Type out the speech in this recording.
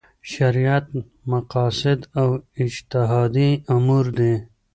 شریعت مقاصد اجتهادي امور دي.